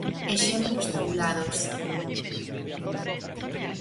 Exemplos tabulados.